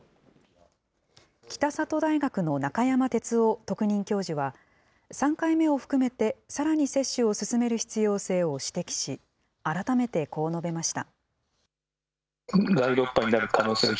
北里大学の中山哲夫特任教授は、３回目を含めてさらに接種を進める必要性を指摘し、改めてこう述べました。